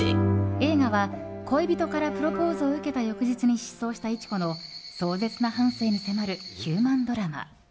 映画は恋人からプロポーズを受けた翌日に失踪した市子の壮絶な半生に迫るヒューマンドラマ。